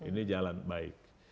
ini jalan baik